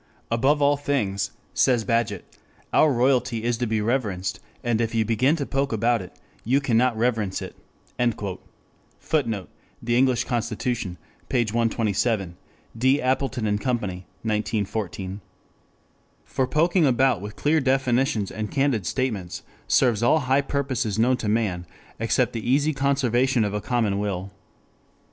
"Above all things," says Bagehot, "our royalty is to be reverenced, and if you begin to poke about it you cannot reverence it." [Footnote: The English Constitution, p. 127. D. Appleton & Company, 1914.] For poking about with clear definitions and candid statements serves all high purposes known to man, except the easy conservation of a common will.